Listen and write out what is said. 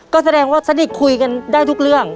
ก็แสดงว่าสนิทคุยกันได้ทุกเรื่อง